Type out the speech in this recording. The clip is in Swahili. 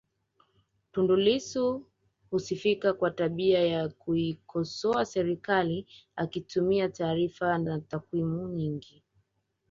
Tundu Lissu husifika kwa tabia ya kuikosoa serikali akitumia taarifa na takwimu nyingi